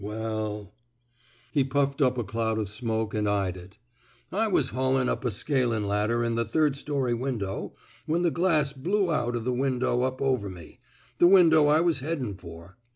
Well —" He puffed up a cloud of smoke and eyed it. I was haulin' up a scalin ' ladder in the third story window, when the glass blew out o' the window up over me — the window I was headin' for.